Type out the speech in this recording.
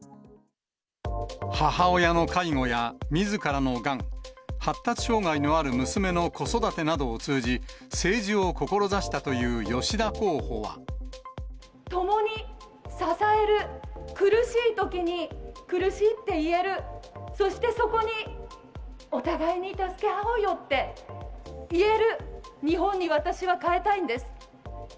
母親の介護やみずからのがん、発達障がいのある娘の子育てなどを通じ、共に支える、苦しいときに苦しいって言える、そしてそこにお互いに助け合おうよって言える日本に私は変えたいんです。